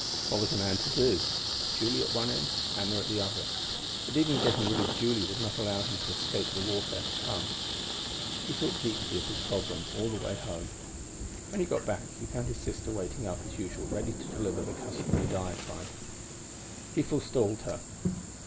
What was a man to do? Julie at one end, Anna at the other. But even getting rid of Julie would not allow him to escape the warfare to come._ He thought deeply of his problem all the way home. When he got back, he found his sister waiting up, as usual, ready to deliver the customary diatribe. _He forestalled her.